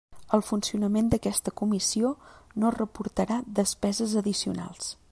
El funcionament d'aquesta Comissió no reportarà despeses addicionals.